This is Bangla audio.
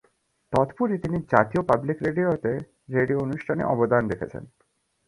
তদুপরি, তিনি জাতীয় পাবলিক রেডিওতে রেডিও অনুষ্ঠানে অবদান রেখেছেন।